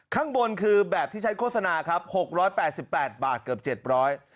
ข้างบนคือแบบที่ใช้โฆษณาครับ๖๘๘บาทเกือบ๗๐๐บาท